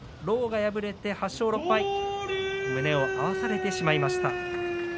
狼雅が敗れて８勝６敗胸を合わされてしまいました。